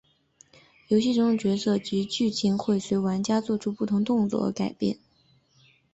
游戏中的角色及剧情会随玩家作出的不同动作而改变。